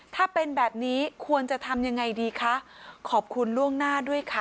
ถ้าเป็นแบบนี้ควรจะทำยังไงดีคะขอบคุณล่วงหน้าด้วยค่ะ